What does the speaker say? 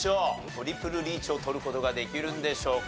トリプルリーチを取る事ができるんでしょうか？